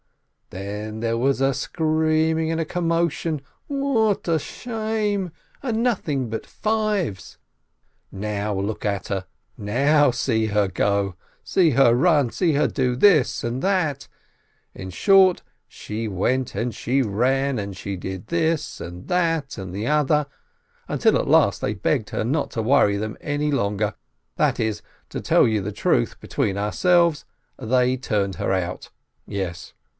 Then there was a screaming and a commotion. What a shame! And nothing but fives ! Now look at her, now see her go, see her run, see her do this and that ! In short, she went and she ran and she did this and that and the other — until at last they begged her not to worry them any longer, that is, to tell you the truth, between ourselves, they turned her out, yes!